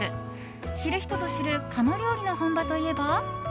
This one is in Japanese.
知る人ぞ知る鴨料理の本場といえば。